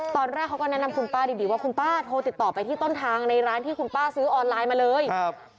ตอนแรกเขาก็แนะนำคุณป้าดีว่าคุณป้าโทรติดต่อไปที่ต้นทางในร้านที่คุณป้าซื้อออนไลน์มาเลยครับ